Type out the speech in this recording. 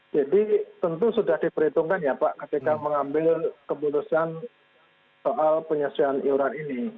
jadi tentu sudah diperhitungkan ya pak ketika mengambil keputusan soal penyelesaian iuran ini